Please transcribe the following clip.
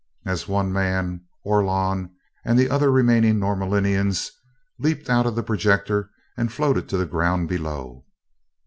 As one man, Orlon and the other remaining Norlaminians leaped out of the projector and floated to the ground below.